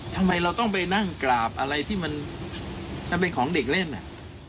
ทำไมเราต้องไปนั่งกราบอะไรที่มันเป็นของเด็กเล่นอ่ะ